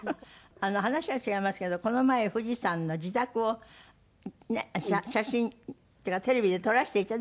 話は違いますけどこの前冨士さんの自宅を写真というかテレビで撮らせていただいたじゃない。